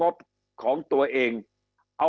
คำอภิปรายของสอสอพักเก้าไกลคนหนึ่ง